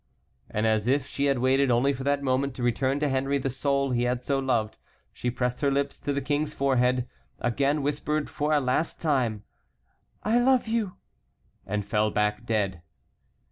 And as if she had waited only for that moment to return to Henry the soul he had so loved, she pressed her lips to the King's forehead, again whispered for a last time, "I love you!" and fell back dead.